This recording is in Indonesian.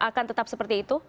akan tetap seperti itu